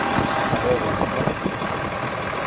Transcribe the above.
Ɣaḍent-kent?